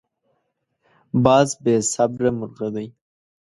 باز بې صبره مرغه دی